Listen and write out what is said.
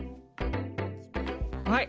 はい。